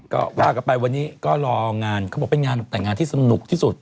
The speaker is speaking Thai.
ก็ว่ากันไปวันนี้ก็รองานเขาบอกเป็นงานตกแต่งงานที่สนุกที่สุด